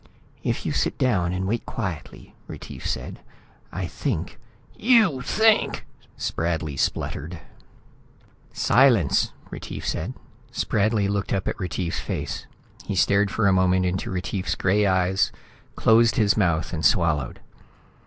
"If you'll sit down and wait quietly," Retief said, "I think " "You think!" Spradley spluttered. "Silence!" Retief said. Spradley looked up at Retief's face. He stared for a moment into Retief's gray eyes, closed his mouth and swallowed.